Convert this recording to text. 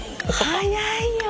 早いよ！